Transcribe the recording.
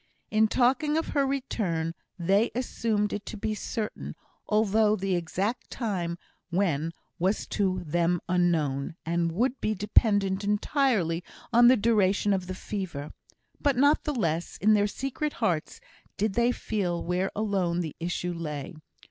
In talking of her return, they assumed it to be certain, although the exact time when was to them unknown, and would be dependent entirely on the duration of the fever; but not the less, in their secret hearts, did they feel where alone the issue lay.